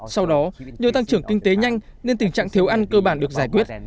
sau đó nhờ tăng trưởng kinh tế nhanh nên tình trạng thiếu ăn cơ bản được giải quyết